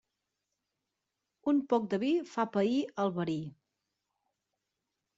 Un poc de vi fa pair el verí.